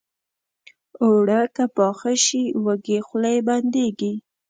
اوړه که پاخه شي، وږې خولې بندېږي